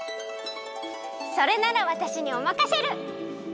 それならわたしにおまかシェル！